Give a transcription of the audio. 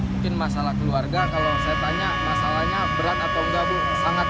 mungkin masalah keluarga kalau saya tanya masalahnya berat atau enggak bu